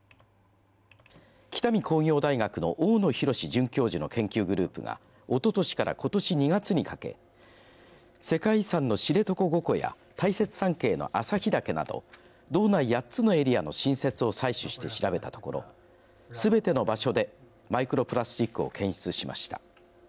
北見工業大学の大野浩准教授の研究グループがおととしからことし２月にかけ世界遺産の知床五湖や大雪山系の旭岳など道内８つのエリアの新雪を採取して調べたところすべての場所でマイクロプラスチックを検出しました。